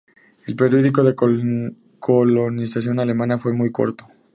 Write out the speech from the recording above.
El período de colonización alemana fue muy corto.